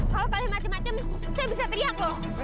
kalau kali macem macem saya bisa teriak loh